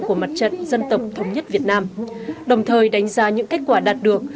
của mặt trận dân tộc thống nhất việt nam đồng thời đánh giá những kết quả đạt được